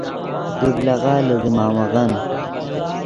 طبلغہ لے دیمامغن